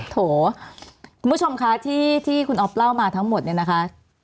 โถคุณผู้ชมคะที่คุณอ๊อฟเล่ามาทั้งหมดเนี่ยนะคะ